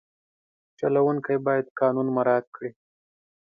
چلوونکی باید قانون مراعت کړي.